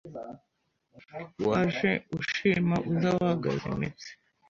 Waje ushima uza wagaza Imitsi